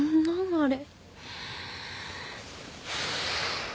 あれ。